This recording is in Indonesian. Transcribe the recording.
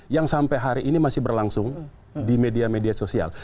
yang sampai hari ini masih berlangsung di media media sosial